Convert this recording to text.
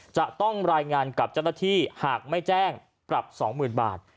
จะต้องรายงานกับเจ้าหน้าที่หากไม่แจ้งปรับ๒๐๐๐บาท